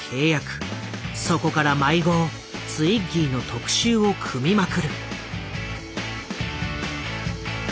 そこから毎号ツイッギーの特集を組みまくる。